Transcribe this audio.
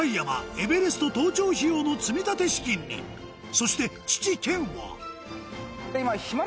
エベレスト登頂費用の積立資金にそして父健は？